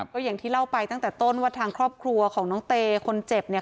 ก็อย่างที่เล่าไปตั้งแต่ต้นว่าทางครอบครัวของน้องเตคนเจ็บเนี่ย